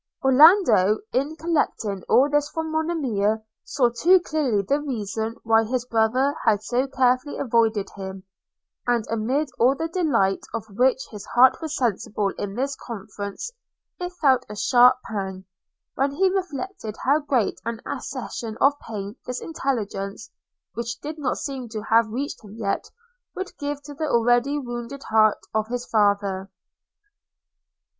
Orlando, in collecting all this from Monimia, saw too clearly the reason why his brother had so carefully avoided him; and amid all the delight of which his heart was sensible in this conference, it felt a sharp pang, when he reflected how great an accession of pain this intelligence, which did not seem to have reached him yet, would give to the already wounded heart of his father.